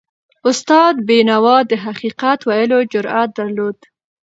استاد بینوا د حقیقت ویلو جرأت درلود.